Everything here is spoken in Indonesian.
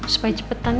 supaya cepetan ya